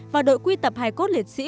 và đội quy tập hải cốt liệt sĩ